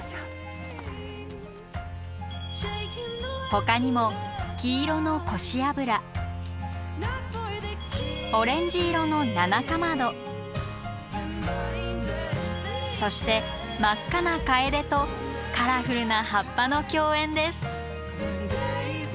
ほかにも黄色のコシアブラオレンジ色のナナカマドそして真っ赤なカエデとカラフルな葉っぱの競演です。